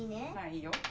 いいよ。